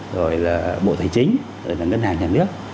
có thể là bộ tài chính có thể là ngân hàng nhà nước